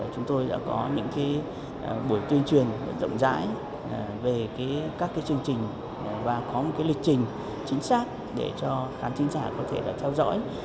chúng tôi đã có những buổi tuyên truyền rộng rãi về các chương trình và có một lịch trình chính xác để cho khán giả có thể theo dõi